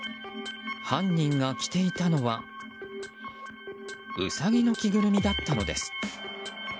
犯人が着ていたのはウサギの着ぐるみだったのです。